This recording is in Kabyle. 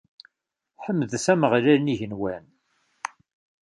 Ḥemdet Ameɣlal n yigenwan!